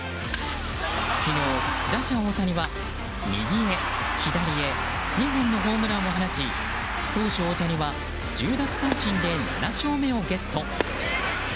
昨日、打者・大谷は右へ左へ２本のホームランを放ち投手・大谷は１０奪三振で７勝目をゲット。